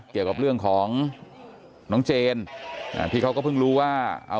เกี่ยวกับเรื่องของน้องเจนอ่าที่เขาก็เพิ่งรู้ว่า